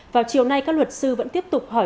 vào chiều nay các luật sư vẫn tiếp tục hỏi